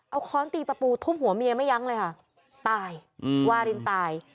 เอาค้อนตีตะปูทุบหัวเมียไม่ยั้งเลยค่ะตายอืมวารินตาย